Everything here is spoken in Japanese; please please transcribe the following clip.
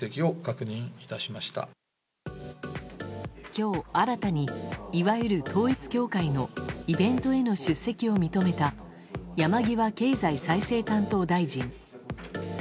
今日、新たにいわゆる統一教会のイベントへの出席を認めた山際経済再生担当大臣。